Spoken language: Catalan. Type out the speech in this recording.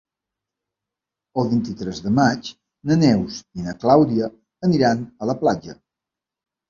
El vint-i-tres de maig na Neus i na Clàudia aniran a la platja.